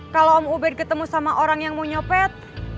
kalau om uber ketemu sama orang yang mau nyopet